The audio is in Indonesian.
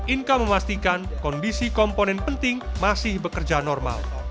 inka memastikan kondisi komponen penting masih bekerja normal